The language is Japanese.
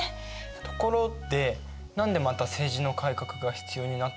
ところで何でまた政治の改革が必要になったんだろう？